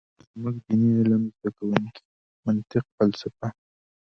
زمونږ ديني علم زده کوونکي منطق ، فلسفه ،